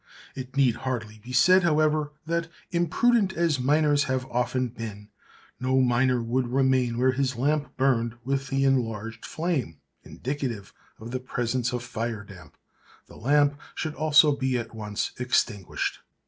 It need hardly be said, however, that, imprudent as miners have often been, no miner would remain where his lamp burned with the enlarged flame indicative of the presence of fire damp. The lamp should also be at once extinguished.